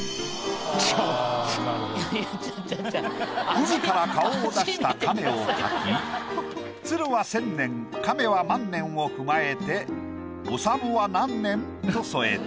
海から顔を出したカメを描き鶴は千年カメは万年を踏まえて「おさむは何年？」と添えた。